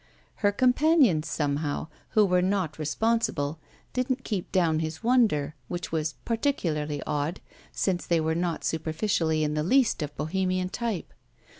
Her companions somehow, who were not responsible, didn't keep down his wonder; which was particularly odd, since they were not superficially in the least of Bohemian type.